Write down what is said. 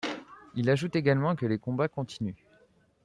Il ajoute également que les combats continuent.